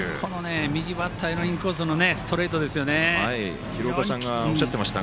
右バッターへのインコースのストレートですよね。